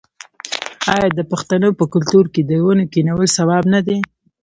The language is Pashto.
آیا د پښتنو په کلتور کې د ونو کینول ثواب نه دی؟